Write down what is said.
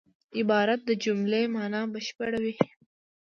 عبارت د جملې مانا بشپړوي.